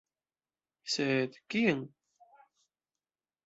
Sed kien?